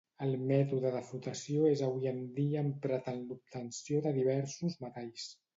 El mètode de flotació és avui en dia emprat en l'obtenció de diversos metalls.